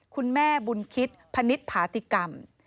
คุณแม่บุญคิดพนิษฐาติกรรม